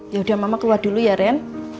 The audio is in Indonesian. yaudah mama keluar dulu ya ren